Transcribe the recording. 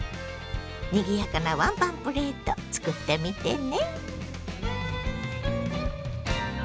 にぎやかなワンパンプレート作ってみてね。